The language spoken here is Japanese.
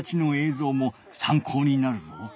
ぞうもさんこうになるぞ。